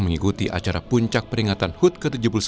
mengikuti acara puncak peringatan hud ke tujuh puluh satu